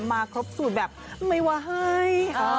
มาครบสูตรแบบไม่ว่าให้